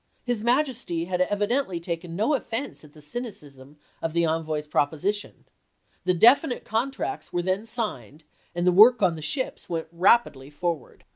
His Majesty had evidently taken no of fense at the cynicism of the envoy's proposition. The definite contracts were then signed and the work on the ships went rapidly forward.